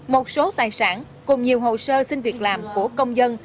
một số tài sản cùng nhiều hồ sơ xin việc làm của công dân